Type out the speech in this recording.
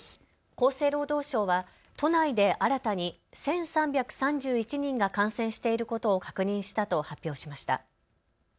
厚生労働省は都内で新たに１３３１人が感染していることを確認したと発表しました。